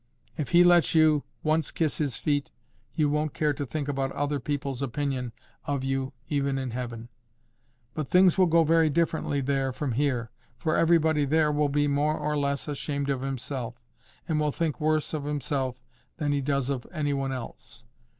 If He lets you once kiss His feet, you won't care to think about other people's opinion of you even in heaven. But things will go very differently there from here. For everybody there will be more or less ashamed of himself, and will think worse of himself than he does of any one else.